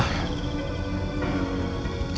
harus tenang saya